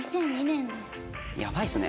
２００２年です。